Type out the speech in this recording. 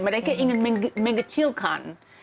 mereka ingin mengecilkan